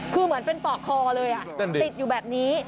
คือเหมือนเป็นปอกคอเลยติดอยู่แบบนี้